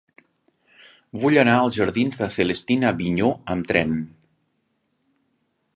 Vull anar als jardins de Celestina Vigneaux amb tren.